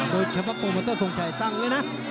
โดยเฉพาะโปรเมอเตอร์ทรงไทยจ้างเลยนะ